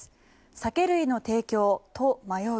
酒類の提供、都迷う。